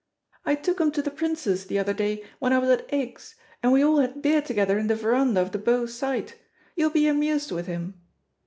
I took him to the Princess the other day when I was at Aix, and we all had beer together in the verandah of the Beau Site. You'll be amused with him."